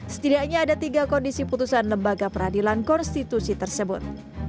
setidaknya ada tiga kondisi putusan lembaga peradilan konstitusi tersebut